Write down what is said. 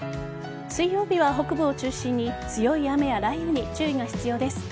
水曜日は北部を中心に強い雨や雷雨に注意が必要です。